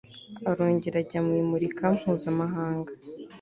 arongera ajya mu imurika mpuzamahanga